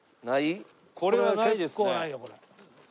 これはないですね。